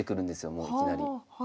もういきなり。